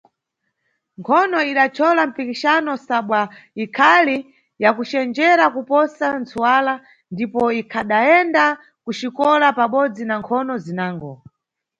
Nkhono idachola mpikixano sabwa ikhali yakucenjera kuposa ntsuwala ndipo ikhadayenda ku xikola pabodzi na nkhono zinango.